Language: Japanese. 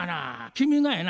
君がやな